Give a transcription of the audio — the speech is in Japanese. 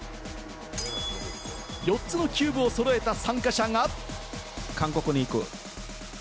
４つのキューブを揃えた参加者が。